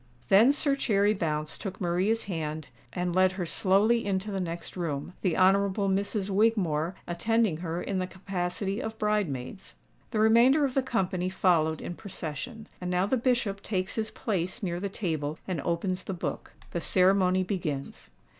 Then Sir Cherry Bounce took Maria's hand, and led her slowly into the next room, the Honourable Misses Wigmore attending her in the capacity of bridemaids. The remainder of the company followed in procession. And now the Bishop takes his place near the table, and opens the book. The ceremony begins.